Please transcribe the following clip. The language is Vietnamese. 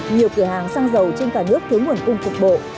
nhiều cửa hàng xăng dầu trên cả nước thiếu nguồn cung cục bộ